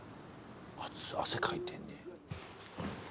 汗かいてんねや。